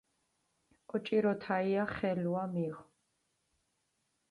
ოჭიროთაია ხელუა მიღჷ.